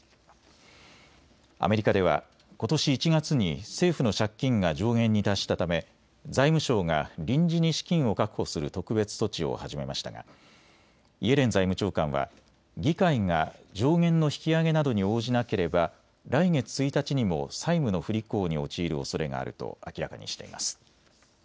アメリカではことし１月に政府の借金が上限に達したため財務省が臨時に資金を確保する特別措置を始めましたがイエレン財務長官は議会が上限の引き上げなどに応じなければ来月１日にも債務の不履行に陥るおそれがあると明らかにしています。